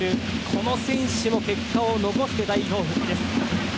この選手も結果を残して代表復帰です。